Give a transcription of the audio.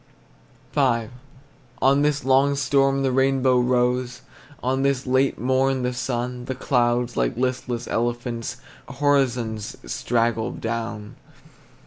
V. On this long storm the rainbow rose, On this late morn the sun; The clouds, like listless elephants, Horizons straggled down.